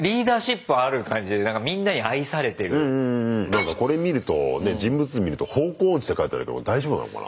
何かこれ見るとね人物見ると「方向音痴」って書いてあるけど大丈夫なのかな。